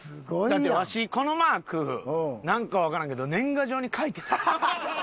だってわしこのマークなんかわからんけど年賀状に書いてたもん。